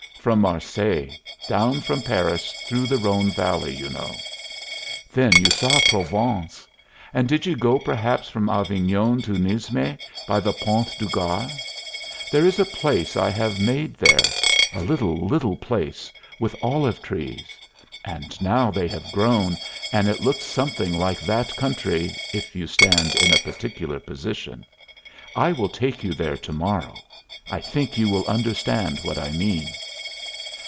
"From Marseilles. Down from Paris through the Rhone Valley, you know." "Then you saw Provence! And did you go, perhaps, from Avignon to Nismes by the Pont du Gard? There is a place I have made here a little, little place with olive trees. And now they have grown, and it looks something like that country, if you stand in a particular position. I will take you there to morrow. I think you will understand what I mean."